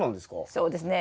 そうですね。